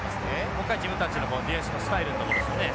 もう一回自分たちのディフェンスのスタイルですね。